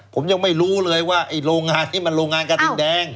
ผมยังไม่รู้เลยว่าไอ้โรงงานนี้มันโรงงานกระดินแดง